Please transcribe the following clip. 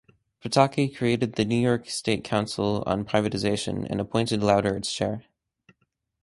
Pataki created the New York State Council on Privatization and appointed Lauder its chair.